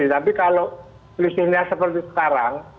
tapi kalau polisi nya seperti sekarang